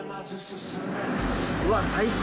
うわ、最高。